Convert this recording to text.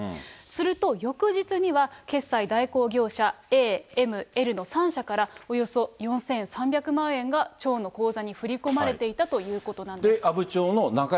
すると、翌日には決済代行業者、Ａ、Ｍ、Ｌの３社から、およそ４３００万円が町の口座に振り込まれていたということなんです。